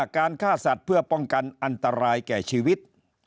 การฆ่าสัตว์เพื่อป้องกันอันตรายแก่ชีวิต